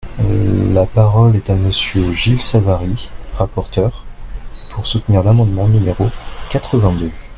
La parole est à Monsieur Gilles Savary, rapporteur, pour soutenir l’amendement numéro quatre-vingt-deux.